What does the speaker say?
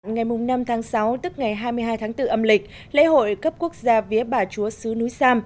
ngày năm tháng sáu tức ngày hai mươi hai tháng bốn âm lịch lễ hội cấp quốc gia vía bà chúa sứ núi sam